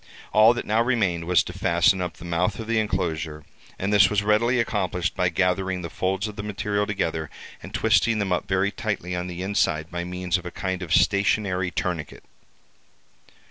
All that now remained was to fasten up the mouth of the enclosure; and this was readily accomplished by gathering the folds of the material together, and twisting them up very tightly on the inside by means of a kind of stationary tourniquet.